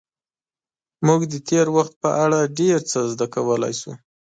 موږ د تېر وخت په اړه ډېر څه زده کولی شو.